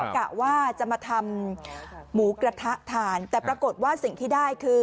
กะว่าจะมาทำหมูกระทะทานแต่ปรากฏว่าสิ่งที่ได้คือ